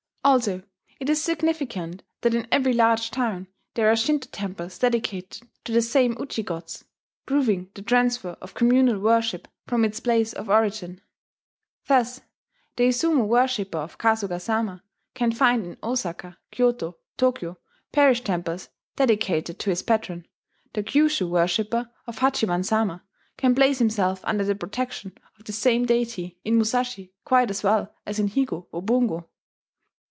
Also, it is significant that in every large town there are Shinto temples dedicated to the same Uji gods, proving the transfer of communal worship from its place of origin. Thus the Izumo worshipper of Kasuga Sama can find in Osaka, Kyoto, Tokyo, parish temples dedicated to his patron: the Kyushu worshipper of Hachiman Sama can place himself under the protection of the same deity in Musashi quite as well as in Higo or Bungo.